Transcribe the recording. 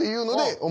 お前。